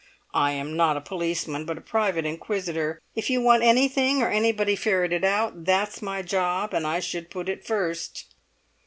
I am not a policeman, but a private inquisitor. If you want anything or anybody ferreted out, that's my job and I should put it first."